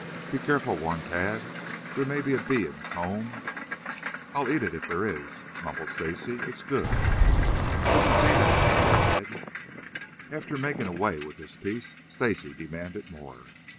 "Be careful," warned Tad. "There may be a bee in the comb." "I'll eat it if there is," mumbled Stacy. "It's good." "We can see that," grinned Ned. After making away with this piece, Stacy demanded more.